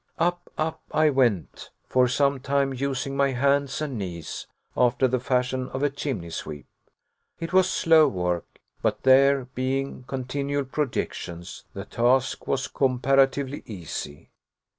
Up up I went, for some time using my hands and knees, after the fashion of a chimney sweep. It was slow work, but, there being continual projections, the task was comparatively easy.